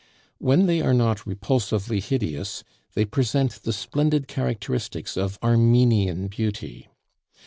When they are not repulsively hideous, they present the splendid characteristics of Armenian beauty.